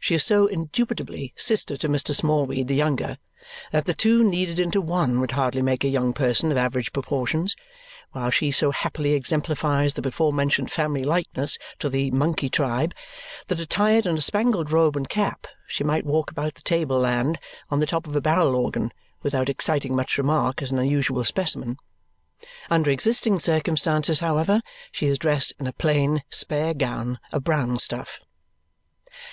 She is so indubitably sister to Mr. Smallweed the younger that the two kneaded into one would hardly make a young person of average proportions, while she so happily exemplifies the before mentioned family likeness to the monkey tribe that attired in a spangled robe and cap she might walk about the table land on the top of a barrel organ without exciting much remark as an unusual specimen. Under existing circumstances, however, she is dressed in a plain, spare gown of brown stuff.